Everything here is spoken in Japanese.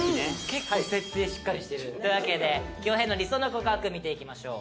結構設定しっかりしてる。というわけで恭平の理想の告白見ていきましょう。